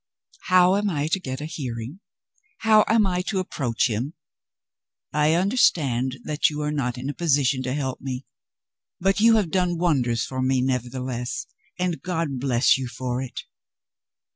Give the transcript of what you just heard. How am I to get a hearing? how am I to approach him? I understand that you are not in a position to help me. But you have done wonders for me nevertheless, and God bless you for it!"